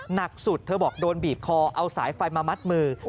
หนักสุดเธอบอกโดนบีบคอเอาสายไฟมามัดมือ